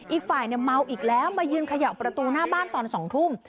อีกฝ่ายเมาอีกแล้วมายืนเขย่าประตูหน้าบ้านตอน๒ทุ่ม